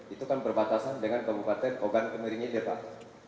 itu kan berbatasan dengan kabupaten ogan pemiringilir pak